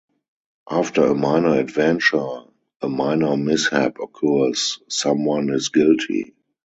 After a minor adventure a minor mishap occurs; someone is guilty.